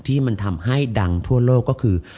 ที่มันทำให้ดังทั่วโลกก็คือ